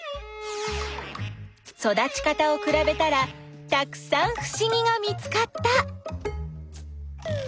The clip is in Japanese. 育ち方をくらべたらたくさんふしぎが見つかった！